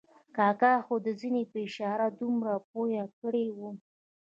کاکا خو د زنې په اشاره دومره پوه کړی وم.